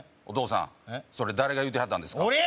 お義父さんそれ誰が言うてはったんですか？